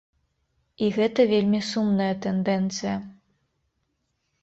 І гэта вельмі сумная тэндэнцыя.